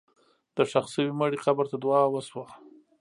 د ښخ شوي مړي قبر ته دعا وشوه.